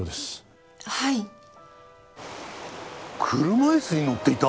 車いすに乗っていた！？